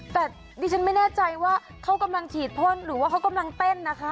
แต่ดิฉันไม่แน่ใจว่าเขากำลังฉีดพ่นหรือว่าเขากำลังเต้นนะคะ